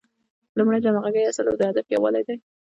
لومړی د همغږۍ اصل او د هدف یووالی دی.